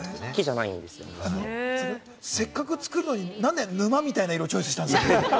なんでせっかく作るのに沼みたいな色をチョイスしたんですか？